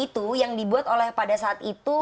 itu yang dibuat oleh pada saat itu